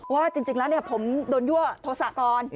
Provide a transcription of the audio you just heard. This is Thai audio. ว่าจริงแล้วผมโดนยั่วโทษะก่อน